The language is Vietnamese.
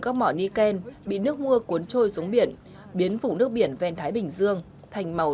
các mỏ nikken bị nước mưa cuốn trôi xuống biển biến vùng nước biển ven thái bình dương thành màu